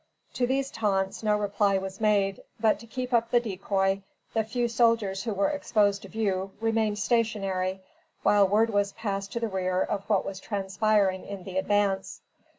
To these taunts no reply was made; but to keep up the decoy, the few soldiers who were exposed to view, remained stationary, while word was passed to the rear of what was transpiring in the advance.